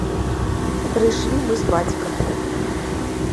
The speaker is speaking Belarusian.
Прыйшлі мы з бацькам.